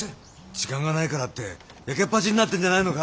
時間がないからってやけっぱちになってんじゃないのか？